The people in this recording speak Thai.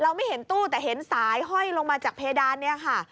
ไม่เห็นตู้แต่เห็นสายห้อยลงมาจากเพดานเนี่ยค่ะ